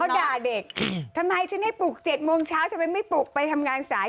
ด่าเด็กทำไมฉันให้ปลุก๗โมงเช้าทำไมไม่ปลุกไปทำงานสาย